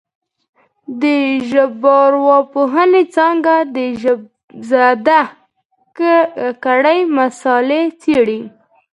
د ژبارواپوهنې څانګه د ژبزده کړې مسالې څېړي